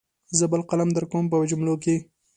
زه بل قلم درکوم په جملو کې.